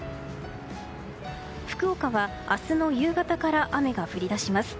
福岡は明日の夕方から雨が降り出します。